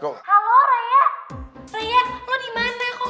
kok gak masuk sekolah lo kenapa